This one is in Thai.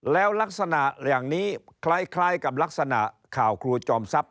แล้วลักษณะอย่างนี้คล้ายกับลักษณะข่าวครูจอมทรัพย